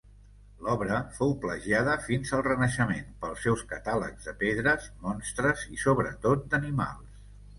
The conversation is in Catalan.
L'obra fou plagiada fins al Renaixement pels seus catàlegs de pedres, monstres i sobretot d'animals.